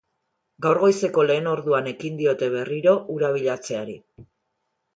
Gaur goizeko lehen orduan ekin diote berriro hura bilatzeari.